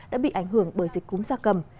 đã bị ảnh hưởng bởi dịch cúm gia cầm